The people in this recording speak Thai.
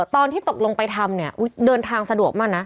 ตอนที่ตกลงไปทำเนี่ยเดินทางสะดวกมากนะ